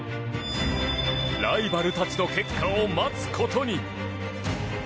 ライバルたちの結果を待つことに。